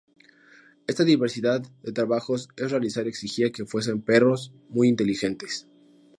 Esta diversidad de trabajos a realizar exigía que fuesen perros muy inteligentes.